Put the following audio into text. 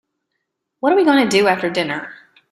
What are we going to do after dinner?